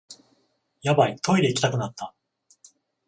ヤバい、トイレ行きたくなった